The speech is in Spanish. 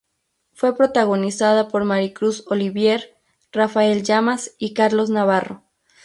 Fue protagonizada por Maricruz Olivier, Rafael Llamas y Carlos Navarro.